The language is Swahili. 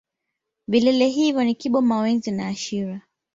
vilele hivyo ni kibo mawenzi na shira